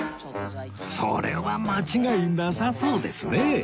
それは間違いなさそうですね